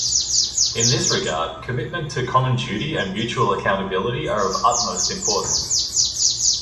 In this regard, commitment to common duty and mutual accountability are of the utmost importance.